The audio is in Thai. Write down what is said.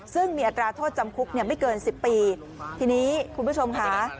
ซึ่งมีอัตราโทษจำคุกเนี่ยไม่เกินสิบปีทีนี้คุณผู้ชมค่ะ